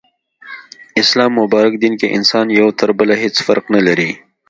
اسلام مبارک دين کي انسانان يو تر بله هيڅ فرق نلري